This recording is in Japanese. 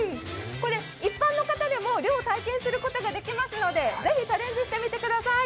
一般の方でも漁を体験することができますので是非チャレンジしてみてください！